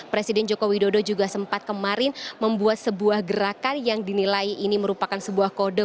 presiden joko widodo juga sempat kemarin membuat sebuah gerakan yang dinilai ini merupakan sebuah kode